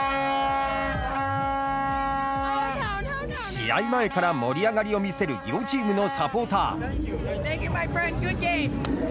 試合前から盛り上がりを見せる両チームのサポーター。